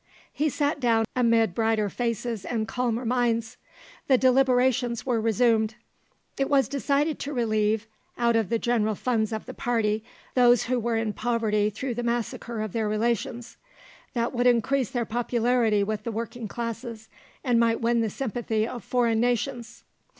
He sat down amid brighter faces and calmer minds. The deliberations were resumed. It was decided to relieve, out of the general funds of the party, those who were in poverty through the massacre of their relations; that would increase their popularity with the working classes, and might win the sympathy of foreign nations.